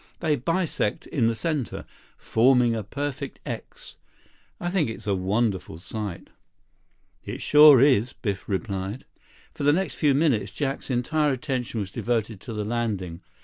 They bisect in the center, forming a perfect 'X.' I think it's a wonderful sight." "It sure is," Biff replied. For the next few minutes, Jack's entire attention was devoted to the landing.